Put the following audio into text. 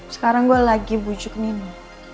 sekarang gue lagi bujuk minum